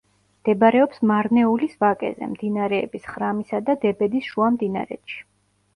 მდებარეობს მარნეულის ვაკეზე, მდინარეების ხრამისა და დებედის შუამდინარეთში.